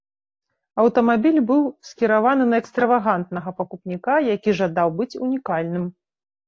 Аўтамабіль быў скіраваны на экстравагантнага пакупніка, які жадаў быць унікальным.